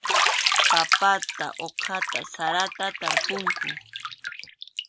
Papata uqata sarata tarpunku.